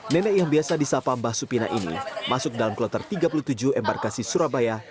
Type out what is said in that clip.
nenek yang biasa disapa mbah supina ini masuk dalam kloter tiga puluh tujuh embarkasi surabaya